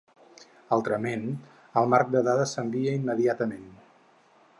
Altrament, el marc de dades s'envia immediatament.